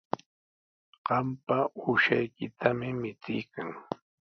Qampa uushaykitami michiykan.